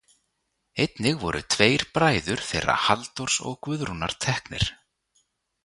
Einnig voru tveir bræður þeirra Halldórs og Guðrúnar teknir.